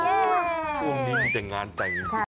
พรุ่งนี้มีแต่งงานแต่งจุด